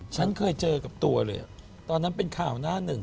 ฉันเคยเจอกับตัวเลยตอนนั้นเป็นข่าวหน้าหนึ่ง